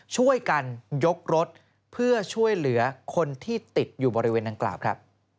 ช่วยกันยกรถเพื่อช่วยเหลือคนที่ติดอยู่บริเวณดังกล่าวครับ